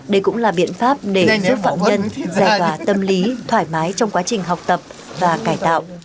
đây cũng là biện pháp để giúp phạm nhân giải tỏa tâm lý thoải mái trong quá trình học tập và cải tạo